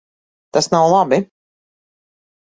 Tas nav labi.